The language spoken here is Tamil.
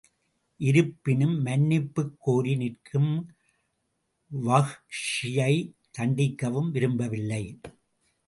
இருப்பினும் மன்னிப்புக் கோரி நிற்கும் வஹ்ஷியைத் தண்டிக்கவும் விரும்பவில்லை.